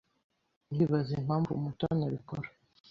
Ndibaza impamvu Mutoni abikora.